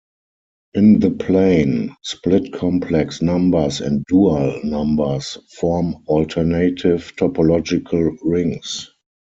In the plane, split-complex numbers and dual numbers form alternative topological rings.